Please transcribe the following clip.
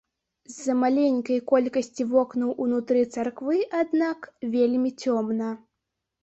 З-за маленькай колькасці вокнаў, унутры царквы, аднак, вельмі цёмна.